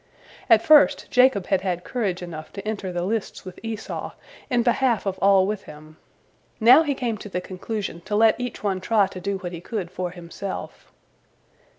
At first Jacob had had courage enough to enter the lists with Esau in behalf of all with him. Now he came to the conclusion to let each one try to do what he could for himself.